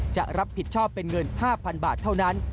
จะรับผิดชอบเป็นเงิน๕๐๐๐บาทเท่านั้น